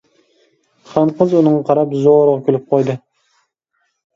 خانقىز ئۇنىڭغا قاراپ زورىغا كۈلۈپ قويدى.